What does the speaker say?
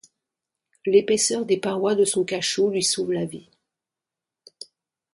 L'épaisseur des parois de son cachot lui sauve la vie.